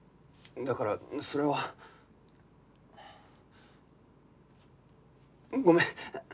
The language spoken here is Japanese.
だからそれは。ごめん。